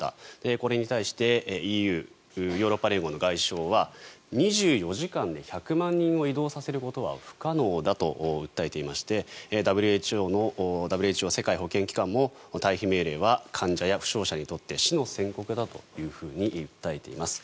これに対してＥＵ・ヨーロッパ連合の外相は２４時間で１００万人を移動させることは不可能だと訴えていましてＷＨＯ・世界保健機関も退避命令は患者や負傷者にとって死の宣告だと訴えています。